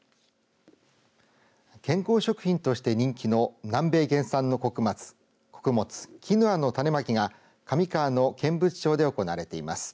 健康食品として人気の南米原産の穀物、キヌアの種まきが上川の剣淵町で行われています。